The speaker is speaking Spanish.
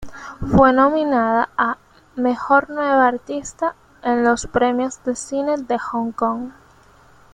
Fue nominada a "Mejor Nueva Artista" en los Premios de Cine de Hong Kong.